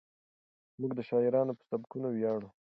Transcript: موږ د شاعرانو په سبکونو ویاړو.